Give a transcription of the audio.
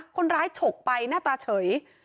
คนร้ายฉกไปหน้าตาเฉย